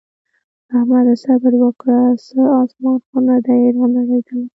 احمده! صبره وکړه څه اسمان خو نه دی رانړېدلی.